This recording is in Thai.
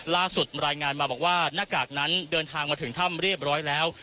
รายงานมาบอกว่าหน้ากากนั้นเดินทางมาถึงถ้ำเรียบร้อยแล้ว